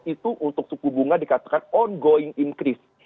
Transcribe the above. itu untuk suku bunga dikatakan ongoing increase